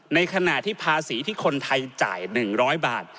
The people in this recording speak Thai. ในขณะที่ภาษีที่คนไทยจ่าย๑๐๐บาท